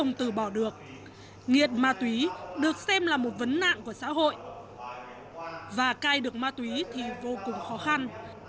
nghiện ma túy được xem là một vấn nạn của xã hội và cai được ma túy thì vô cùng khó khăn